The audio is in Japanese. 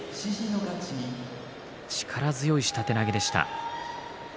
力強い下手投げでした。